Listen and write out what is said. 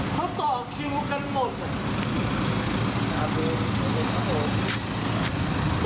เขาต่อคิวกันหมดอ่ะ